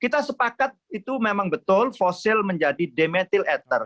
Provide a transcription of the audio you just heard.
kita sepakat itu memang betul fosil menjadi demethyl ether